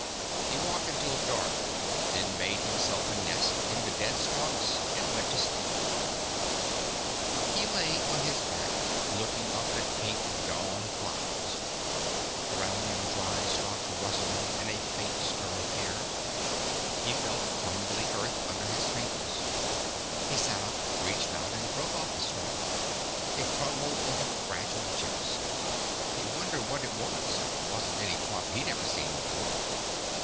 He walked until dark, then made himself a nest in the dead stalks, and went to sleep. He lay on his back, looking up at pink dawn clouds. Around him, dry stalks rustled in a faint stir of air. He felt crumbly earth under his fingers. He sat up, reached out and broke off a stalk. It crumbled into fragile chips. He wondered what it was. It wasn't any crop he'd ever seen before.